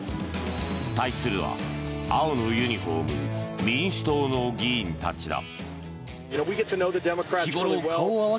対するは青のユニホーム民主党の議員たちだ。